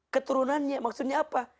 keturunannya maksudnya apa